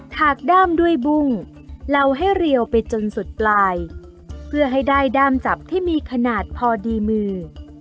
ถากด้ามด้วยบุ้งเราให้เรียวไปจนสุดปลายเพื่อให้ได้ด้ามจับที่มีขนาดพอดีมือ